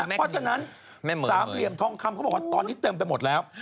เพราะฉะนั้นสามเหลี่ยมทองคำเขาบอกว่าตอนนี้เต็มไปหมดแล้ว